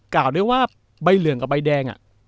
กล่าวด้วยว่าใบเหลืองกับใบแดง